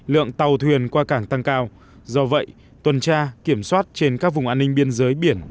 lượng tàu thuyền qua cảng tăng cao do vậy tuần tra kiểm soát trên các vùng an ninh biên giới biển